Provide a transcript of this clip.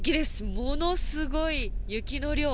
ものすごい雪の量。